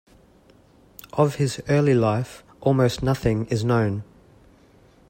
Of his early life, almost nothing is known.